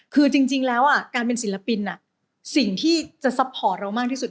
คือจริงแล้วการเป็นศิลปินสิ่งที่จะซัพพอร์ตเรามากที่สุด